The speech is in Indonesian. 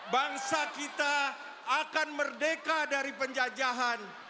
bangsa kita akan merdeka dari penjajahan